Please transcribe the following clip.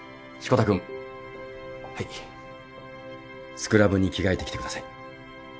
スクラブに着替えてきてください。